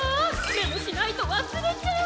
メモしないとわすれちゃう！